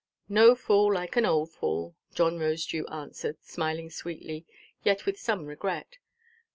"No fool like an old fool," John Rosedew answered, smiling sweetly, yet with some regret.